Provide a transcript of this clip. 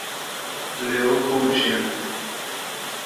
Leopoldina